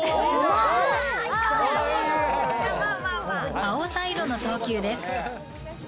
あー、青サイドの投球です。